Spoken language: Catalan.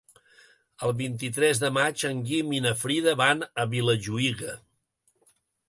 El vint-i-tres de maig en Guim i na Frida van a Vilajuïga.